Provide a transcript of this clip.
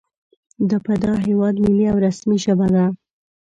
په د هېواد ملي او رسمي ژبه ده